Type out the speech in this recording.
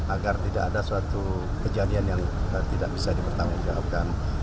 agar tidak ada suatu kejadian yang tidak bisa dipertanggungjawabkan